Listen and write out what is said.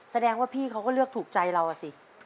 แสดงว่าพี่เขาก็เลือกถูกใจเราอ่ะสิ